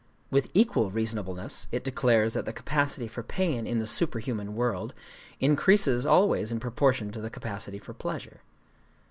With equal reasonableness it declares that the capacity for pain in the superhuman world increases always in proportion to the capacity for pleasure.